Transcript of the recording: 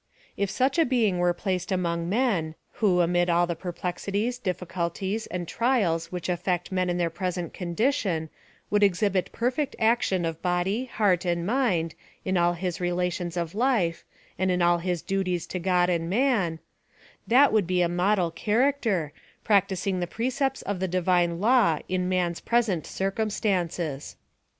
If such a being were placed among men, who, amid all the perplexities, difiiculties, and trials which aifect men in their present condition, would exhibit perfect ac tion of body, heart, and mind, in all his relations of life, and in all his duties to God and man — that would be a model character, practising the precepts of the Divine law in man's present circumstances.